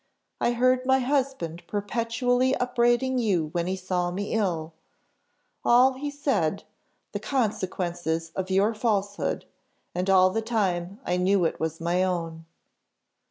I heard my husband perpetually upbraiding you when he saw me ill all, he said, the consequences of your falsehood and all the time I knew it was my own.